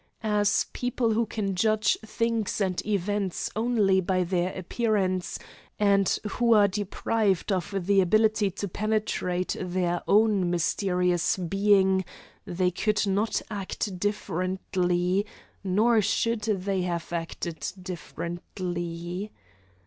As people who can judge things and events only by their appearance, and who are deprived of the ability to penetrate their own mysterious being, they could not act differently, nor should they have acted differently.